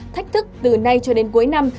thách thức từ nay cho đến cuối năm